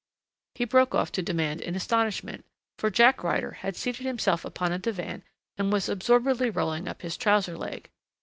he broke off to demand in astonishment, for Jack Ryder had seated himself upon a divan and was absorbedly rolling up his trouser leg.